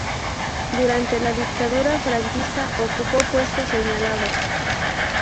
Durante la Dictadura franquista ocupó puestos señalados.